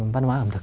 văn hóa ẩm thực